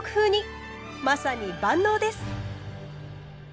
まさに万能です！